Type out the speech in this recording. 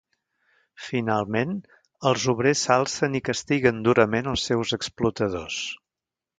Finalment, els obrers s'alcen i castiguen durament als seus explotadors.